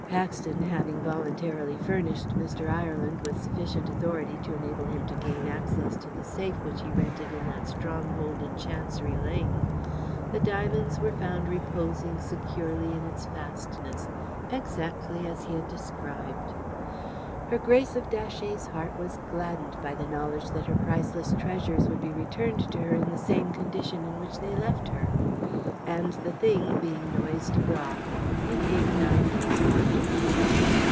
Paxton having voluntarily furnished Mr. Ireland with sufficient authority to enable him to gain access to the safe which he rented in that stronghold in Chancery Lane, the diamonds were found reposing securely in its fastnesses, exactly as he had described. Her Grace of Datchet's heart was gladdened by the knowledge that her priceless treasures would be returned to her in the same condition in which they left her. And the thing, being noised abroad, became a nine days' wonder.